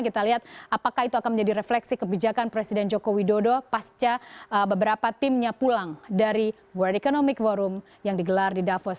kita lihat apakah itu akan menjadi refleksi kebijakan presiden joko widodo pasca beberapa timnya pulang dari world economic forum yang digelar di davos